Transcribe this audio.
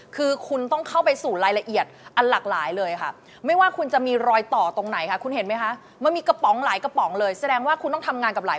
คือคุณต้องเข้าไปสู่รายละเอียดอันหลากหลายเลยค่ะ